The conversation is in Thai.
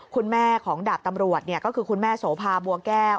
คุณแม่ของดาบตำรวจก็คือคุณแม่โสภาบัวแก้ว